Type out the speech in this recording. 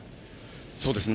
そうですね。